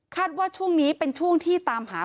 ว่าช่วงนี้เป็นช่วงที่ตามหา